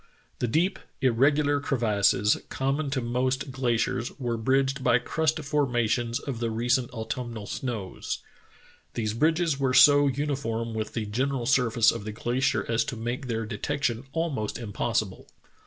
The deep, irregular crevasses common to most gla ciers were bridged by crust formations of the recent autumnal snows. These bridges were so uniform with the general surface of the glacier as to make their de tection almost impossible.